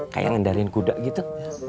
kayak ngendalikan kuda gitu